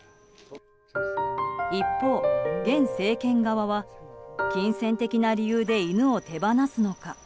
一方、現政権側は金銭的な理由で犬を手放すのか。